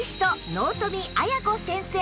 納富亜矢子先生